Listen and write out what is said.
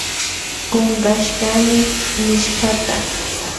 Kunkashkani nishkata.